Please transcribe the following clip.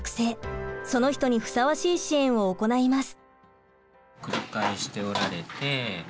その人にふさわしい支援を行います。